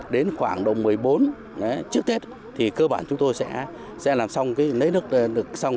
đến khoảng độ một mươi bốn trước tết thì cơ bản chúng tôi sẽ làm xong lấy nước xong